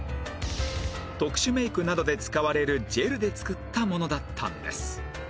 特殊メイクなどで使われるジェルで作ったものだったんです